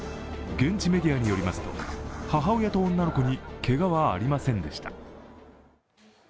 現地メディアによりますと、母親と女の子にけがはありませんでした。